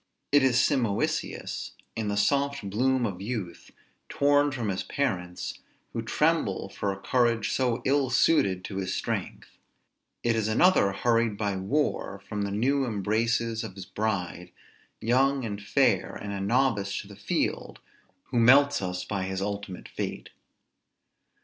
It is Simoisius, in the soft bloom of youth, torn from his parents, who tremble for a courage so ill suited to his strength; it is another hurried by war from the new embraces of his bride, young and fair, and a novice to the field, who melts us by his untimely fate.